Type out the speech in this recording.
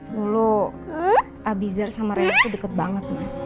lalu abizar sama reina tuh deket banget mas